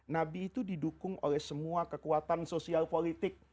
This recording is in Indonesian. nabi itu didukung oleh semua kekuatan sosial politik